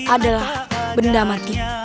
adalah benda mati